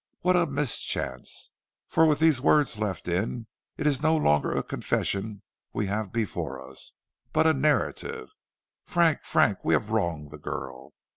What a mischance! for with these words left in it is no longer a confession we have before us, but a narrative. Frank, Frank, we have wronged the girl.